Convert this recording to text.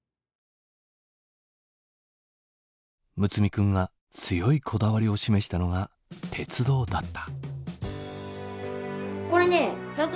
睦弥君が強いこだわりを示したのが鉄道だった。